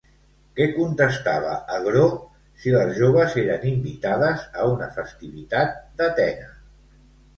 Què contestava Agró si les joves eren invitades a una festivitat d'Atena?